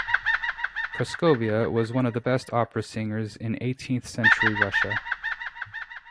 Praskovia was one of the best opera singers in eighteenth-century Russia.